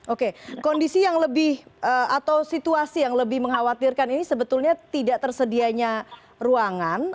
oke kondisi yang lebih atau situasi yang lebih mengkhawatirkan ini sebetulnya tidak tersedianya ruangan